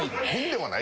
はい。